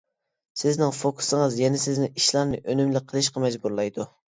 سىزنىڭ فوكۇسىڭىز يەنە سىزنى ئىشلارنى ئۈنۈملۈك قىلىشقا مەجبۇرلايدۇ.